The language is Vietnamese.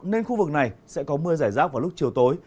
nên khu vực này sẽ có mưa giải rác vào lúc chiều tối